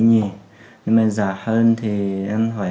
nhưng mà giả hơn thì em hỏi